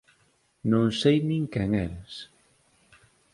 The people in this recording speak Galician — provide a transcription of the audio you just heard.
Non sei nin quen es.